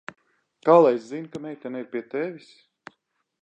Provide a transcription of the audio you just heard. Kā lai es zinu, ka meitene ir pie tevis?